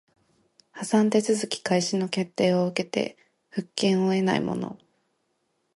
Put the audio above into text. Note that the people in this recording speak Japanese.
破産手続開始の決定を受けて復権を得ない者